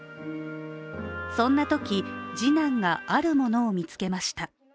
そんなとき、次男があるものを見つけました。